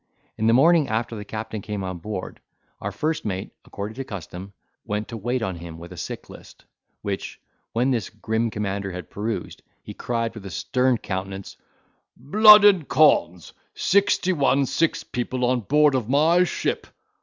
In the morning after the captain came on board, our first mate, according to custom, went to wait on him with a sick list, which, when this grim commander had perused, he cried with a stern countenance, "Blood and cons! sixty one sick people on board of my ship!